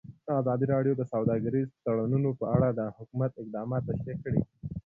ازادي راډیو د سوداګریز تړونونه په اړه د حکومت اقدامات تشریح کړي.